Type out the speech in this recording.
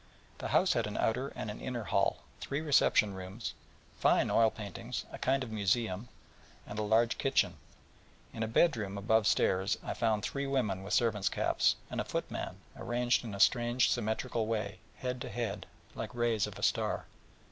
The house had an outer and an inner hall, three reception rooms, fine oil paintings, a kind of museum, and a large kitchen. In a bed room above stairs I found three women with servants' caps, and a footman, arranged in a strange symmetrical way, head to head, like rays of a star.